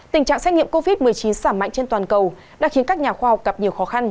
tình trạng xét nghiệm covid một mươi chín giảm mạnh trên toàn cầu đã khiến các nhà khoa học gặp nhiều khó khăn